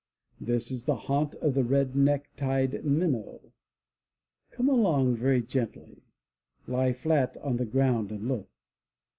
This is the haunt of the red necktied minnow. Come along very gently. Lie flat on the ground and look.